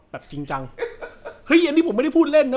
จริงจังเฮ้ยอันนี้ผมไม่ได้พูดเล่นนะ